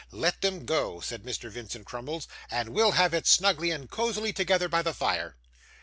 'Let them go,' said Mr. Vincent Crummles, 'and we'll have it snugly and cosily together by the fire.